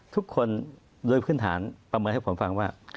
ทุกคนโดยพื้นฐานประเมินให้ผมฟังว่า